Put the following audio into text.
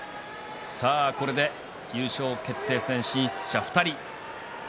これで優勝決定戦進出者２人。